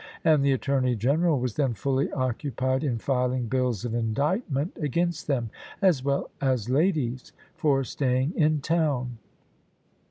And the Attorney General was then fully occupied in filing bills of indictment against them, as well as ladies, for staying in town.